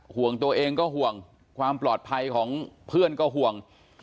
ห่วงตัวเองก็ห่วงความปลอดภัยของเพื่อนก็ห่วง